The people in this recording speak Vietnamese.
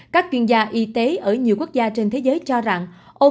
các chuyên gia y tế ở nhiều quốc gia trên thế giới cho rằng